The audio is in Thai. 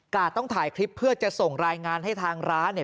ต้องถ่ายคลิปเพื่อจะส่งรายงานให้ทางร้านเนี่ย